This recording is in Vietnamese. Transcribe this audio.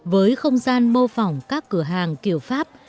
với không gian mô phỏng các cửa hàng kiểu pháp